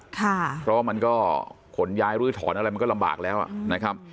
เพราะว่ามันก็ขนย้ายรื้อถอนอะไรมันก็ลำบากแล้วนะครับ